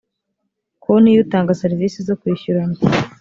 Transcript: konti y utanga serivisi zokwishyurana